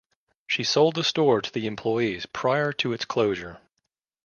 She sold the store to the employees prior to its closure.